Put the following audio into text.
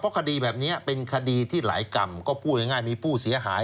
คดีแบบนี้เป็นคดีที่หลายกรรมก็พูดง่ายมีผู้เสียหาย